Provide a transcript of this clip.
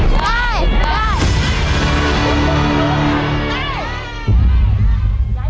ใช่ครับ